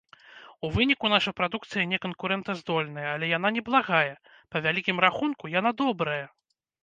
У выніку наша прадукцыя не канкурэнтаздольная, але яна неблагая, па вялікім рахунку, яна добрая!